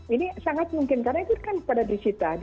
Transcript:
ini sangat mungkin karena itu kan pada disita